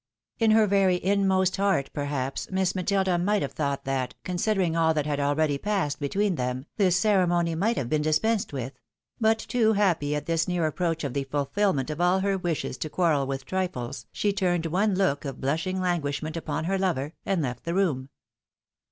" In her very inmost heart, perhaps, Miss Matilda might have thought that, considering all that had already passed between them, this ceremony might have been dispensed with ; but, too happy at this near approach of the fulfilment of all her wishes to quarrel with trifles, she turned one look of blushing languish ment upon her lover, and left the room.